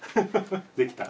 できた。